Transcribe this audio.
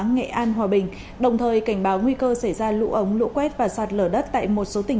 nghệ an hòa bình đồng thời cảnh báo nguy cơ xảy ra lũ ống lũ quét và sạt lở đất tại một số tỉnh